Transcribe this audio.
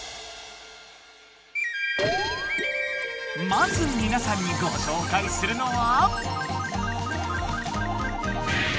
まずみなさんにごしょうかいするのは。